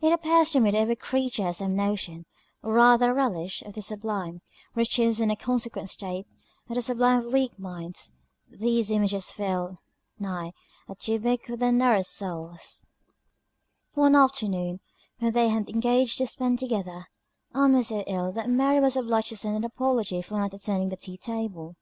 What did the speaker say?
It appears to me that every creature has some notion or rather relish, of the sublime. Riches, and the consequent state, are the sublime of weak minds: These images fill, nay, are too big for their narrow souls. One afternoon, which they had engaged to spend together, Ann was so ill, that Mary was obliged to send an apology for not attending the tea table.